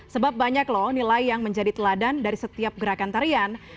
sebab banyak loh nilai yang menjadi teladan dari setiap gerakan tarian